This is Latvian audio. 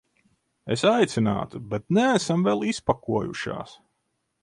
Es aicinātu, bet neesam vēl izpakojušās.